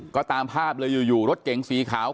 ก็ตามภาพเลยอยู่รถเก๋งสีขาว